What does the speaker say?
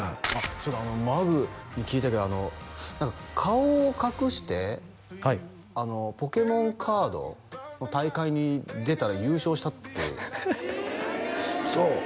そうだマグに聞いたけど何か顔を隠してポケモンカードの大会に出たら優勝したって嘘？